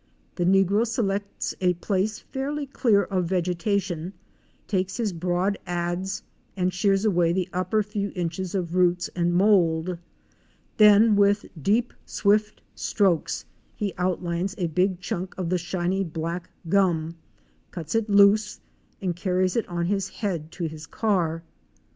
The negro selects a place fairly clear of vegetation, takes his broad adze, and shears away the upper few inches of roots and mould. Then with deep swift strokes he outlines a big chunk of the shiny black gum, cuts it loose, and carries it on his head to his car.